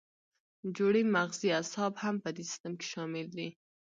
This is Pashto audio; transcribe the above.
جوړې مغزي اعصاب هم په دې سیستم کې شامل دي.